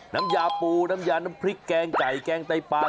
น้ำยาปูน้ำยาน้ำพริกแกงไก่แกงไต้ปลา